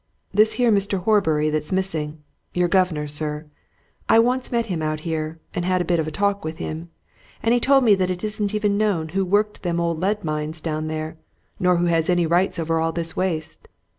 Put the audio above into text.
This here Mr. Horbury that's missing your governor, sir I once met him out here, and had a bit of talk with him, and he told me that it isn't even known who worked them old lead mines down there, nor who has any rights over all this waste.